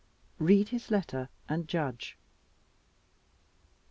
Read his letter, and judge.